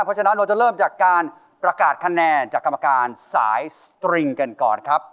เพราะฉะนั้นเราจะเริ่มจากการประกาศคะแนนจากกรรมการสายสตริงกันก่อนครับ